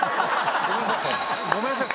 ごめんなさい！